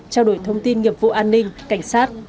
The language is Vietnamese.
trao đổi thông tin nghiệp vụ an ninh cảnh sát